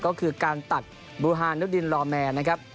ก็คือการตัดบูฮานุดินลอแมนนะครับ